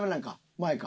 前か。